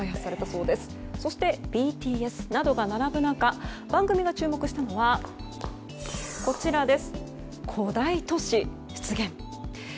そしてＢＴＳなどが並ぶ中番組が注目したのは古代都市出現。